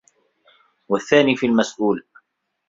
وَالثَّانِي فِي الْمَسْئُولِ